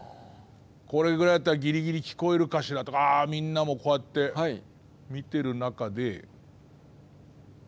これぐらいだったらぎりぎり聞こえるかしらとかみんなも、こうやって見てる中で。